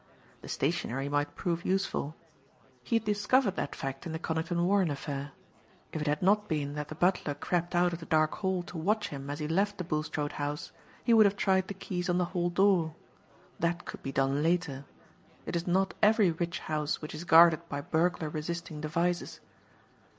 The stationery might prove useful. He had discovered that fact in the Conington Warren affair. If it had not been that the butler crept out of the dark hall to watch him as he left the Bulstrode house, he would have tried the keys on the hall door. That could be done later. It is not every rich house which is guarded by burglar resisting devices.